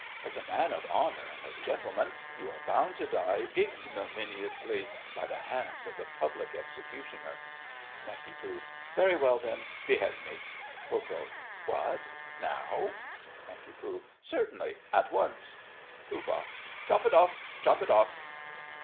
As a man of honour and a gentleman, you are bound to die ignominiously by the hands of the Public Executioner. NANK. Very well, then—behead me. KO. What, now? NANK. Certainly; at once. POOH. Chop it off! Chop it off!